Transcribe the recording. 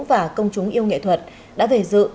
và công chúng yêu nghệ thuật đã về dự